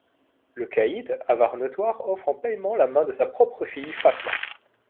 Le caïd, avare notoire, offre en paiement la main de sa propre fille Fathma.